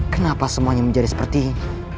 kenapa semuanya menjadi seperti ini